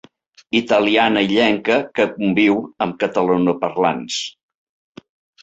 Italiana illenca que conviu amb catalanoparlants.